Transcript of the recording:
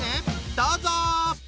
どうぞ！